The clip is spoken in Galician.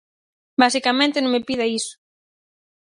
Basicamente non me pida iso.